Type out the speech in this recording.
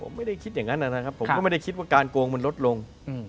ผมไม่ได้คิดอย่างนั้นนะครับผมก็ไม่ได้คิดว่าการโกงมันลดลง